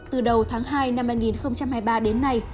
từ đầu tháng hai năm hai nghìn hai mươi ba đến nay